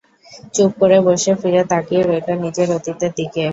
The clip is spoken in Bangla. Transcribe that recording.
চুপ করে বসে ফিরে তাকিয়ে রইল নিজের অতীতের দিকে।